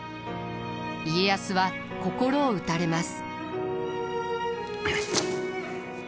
家康は心を打たれます。